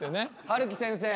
はるき先生。